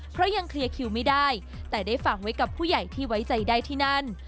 เพราะยังเคลียร์คิวไม่ได้แต่ได้ฝากไว้กับผู้ใหญ่ที่ไว้ใจได้ที่นั่น